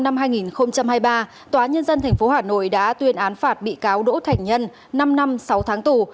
tòa nhân dân tp hà nội đã tuyên án phạt bị cáo đỗ thành nhân năm năm sáu tháng tù